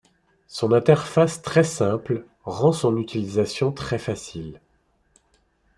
Son interface très simple rend son utilisation très facile.